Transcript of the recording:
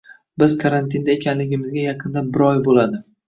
Biz karantinda ekanligimizga yaqinda bir oy bo`ladi